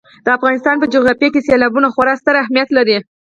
د افغانستان په جغرافیه کې سیلابونه خورا ستر اهمیت لري.